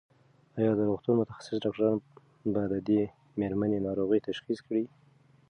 ایا د روغتون متخصص ډاکټران به د دې مېرمنې ناروغي تشخیص کړي؟